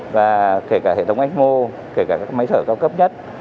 và kể cả hệ thống ách mô kể cả các máy thở cao cấp nhất